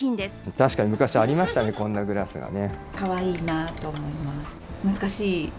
確かに昔、ありましたね、こんなグラスがね。